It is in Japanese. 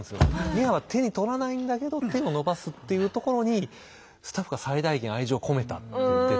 ミアは手に取らないんだけど手を伸ばすっていうところにスタッフが最大限愛情を込めたって言ってて。